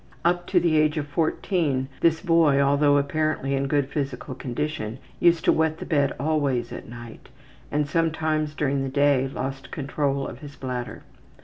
Up to the age of 14 this boy, although apparently in good physical condition, used to wet the bed always at night, and sometimes during the day lost control of his bladder.